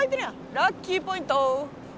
ラッキーポイント。